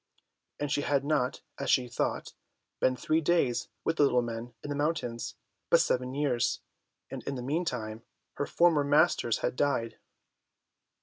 And she had not, as she thought, been three days with the little men in the mountains, but seven years, and in the meantime her former masters had died.